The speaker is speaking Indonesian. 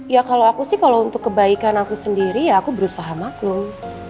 ya kalau aku sih kalau untuk kebaikan aku sendiri ya aku berusaha maklum